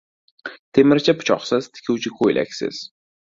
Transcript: • Temirchi — pichoqsiz, tikuvchi — ko‘ylaksiz.